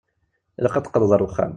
Ilaq ad teqqleḍ ar uxxam.